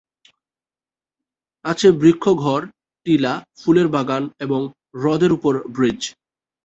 আছে বৃক্ষ-ঘর, টিলা, ফুলের বাগান এবং হ্রদের ওপর ব্রিজ।